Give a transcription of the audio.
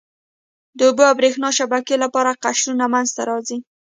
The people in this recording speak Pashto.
د اوبو او بریښنا شبکې لپاره قشرونه منځته راځي.